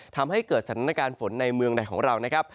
ทำให้เกิดสถานการณ์ฝนในเมืองใดของเรานะครับ